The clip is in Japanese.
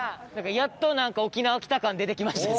やっと沖縄来た感出て来ましたね。